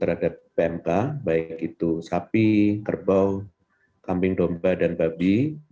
terhadap pmk baik itu sapi kerbau kambing domba dan babi